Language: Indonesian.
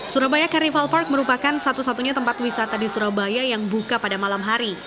surabaya carnival park merupakan satu satunya tempat wisata di surabaya yang buka pada malam hari